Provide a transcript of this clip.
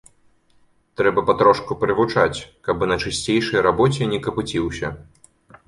Трэба патрошку прывучаць, каб і на чысцейшай рабоце не капыціўся.